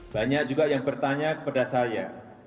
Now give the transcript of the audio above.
banyak juga yang bertanya kepada saya